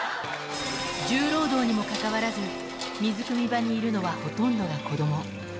重労働にもかかわらず、水くみ場にいるのはほとんどが子ども。